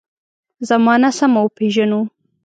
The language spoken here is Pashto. زمانه سمه وپېژنو.